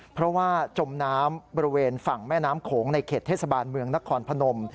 เพราะว่าจมน้ำบริเวณฝั่งแม่น้ำโขงในเขตเทศบาลเมืองนครพนม